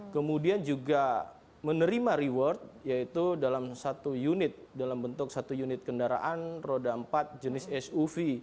kemudian juga menerima reward yaitu dalam satu unit dalam bentuk satu unit kendaraan roda empat jenis suv